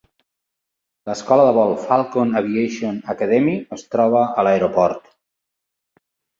L'escola de vol Falcon Aviation Academy es troba a l'aeroport.